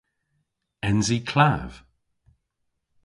Ens i klav?